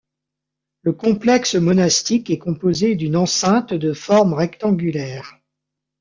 Le complexe monastique est composé d'une enceinte de forme rectangulaire.